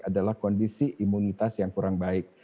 adalah kondisi imunitas yang kurang baik